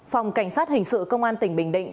phòng cảnh sát hình sự công an tỉnh bình định